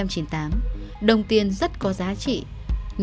nhưng chỉ vì vài trăm nghìn tiền công vận chuyển thuốc viện đen như thế